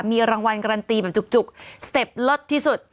มีรางวัลการันตีแบบจุกสเต็ปเลิศที่สุด